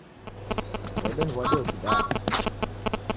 Odeniw'adia ukidaa